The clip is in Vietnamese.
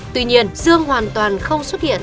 tuy nhiên dương hoàn toàn không xuất hiện